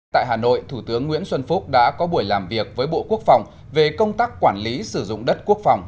tại hà nội thủ tướng nguyễn xuân phúc đã có buổi làm việc với bộ quốc phòng về công tác quản lý sử dụng đất quốc phòng